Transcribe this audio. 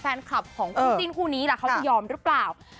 แฟนคลับของคู่จิ้นคู่นี้ล่ะเขาจะยอมหรือเปล่า